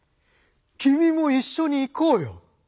きみも一緒に行こうよ！